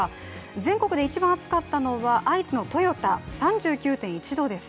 全国で一番暑かったのは、愛知の豊田３９．１度です。